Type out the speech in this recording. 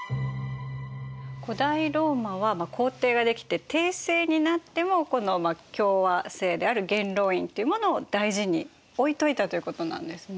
古代ローマは皇帝が出来て帝政になってもこの共和政である元老院というものを大事に置いといたということなんですね。